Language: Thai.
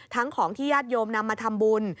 ของที่ญาติโยมนำมาทำบุญ